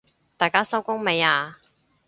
大家收工未啊？